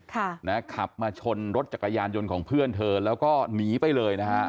ค่ะนะขับมาชนรถจักรยานยนต์ของเพื่อนเธอแล้วก็หนีไปเลยนะฮะ